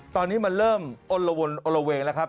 ตอนนี้มันเริ่มอลวนอลวงนะครับ